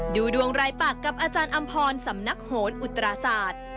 ดูดวงรายปากกับอาจารย์อำพรสำนักโหนอุตราศาสตร์